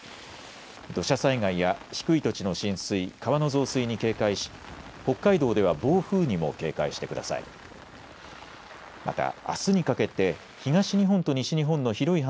土砂災害や低い土地の浸水、川の増水に警戒し北海道では暴風にも警戒してください。